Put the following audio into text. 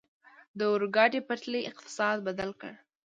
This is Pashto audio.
د اورګاډي پټلۍ اقتصاد بدل کړ.